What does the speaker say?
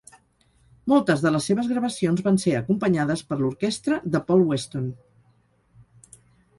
Moltes de les seves gravacions van ser acompanyades per l'orquestra de Paul Weston.